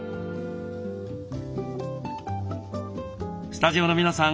スタジオの皆さん